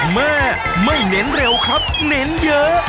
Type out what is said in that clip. แม่ไม่เน้นเร็วครับเน้นเยอะ